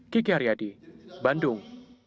kiki haryadi bandung